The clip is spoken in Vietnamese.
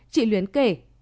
chị luyến kể